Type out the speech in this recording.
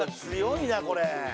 強いなこれ。